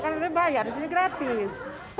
kan ada yang bayar di sini gratis